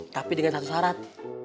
tapi dengan satu syarat